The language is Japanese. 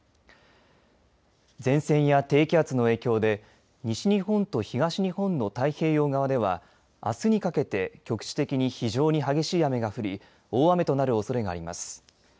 前線や低気圧の影響で西日本と東日本の太平洋側ではあすにかけて局地的に非常に激しい雨が降り大雨となるおそれがあります。